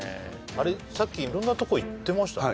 さっき色んなとこ行ってましたね